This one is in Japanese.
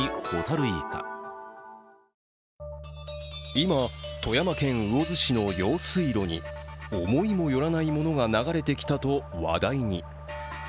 今、富山県魚津市の用水路に思いもよらないものが流れてきたと話題に。